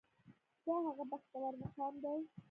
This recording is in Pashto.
دا هغه بختور مقام دی.